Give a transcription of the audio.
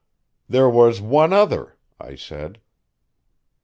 "There was one other," I said.